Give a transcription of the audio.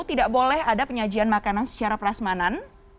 tidak boleh ada penyajian makanan secara prasmanan